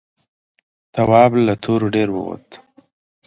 تواب له تورو ډبرو ووت.